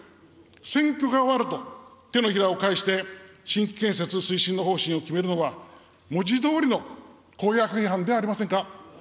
選挙が終わると、手のひらを反して、新規建設推進の方針を決めるのは、文字どおりの公約違反ではありませんか。